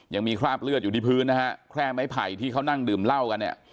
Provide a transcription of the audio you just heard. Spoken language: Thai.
ยังมีคราบเลือดอยู่ที่พื้นนะฮะแคร่ไม้ไผ่ที่เขานั่งดื่มเหล้ากันเนี่ย